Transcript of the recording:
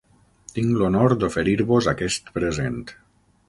Tinc l'honor d'oferir-vos aquest present.